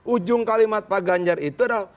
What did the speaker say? ujung kalimat pak ganjar itu adalah